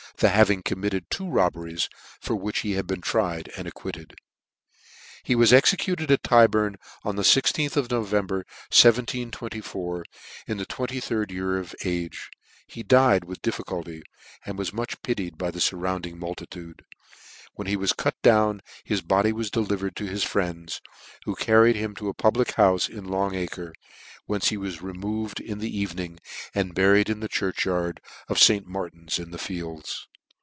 the having committed two robberies, for which he had been tried and acquitted. He was executed at Tyburn on the i6th of November, 1724, in the 2?d year of his age. He died with difficulty, and was much pitied by the furrounding multitude. When he was cut down his body was delivered to his friends, who carried him to a public houfc in Long acre, whence he was removed in the e.ven ing, and buried in the church yard of St. Mar tin in the Fields.